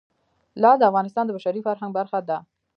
لعل د افغانستان د بشري فرهنګ برخه ده.